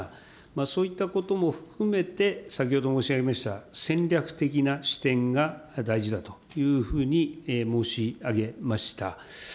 そういったことも含めて、先ほど申し上げました、戦略的な視点が大事だというふうに申し上げました。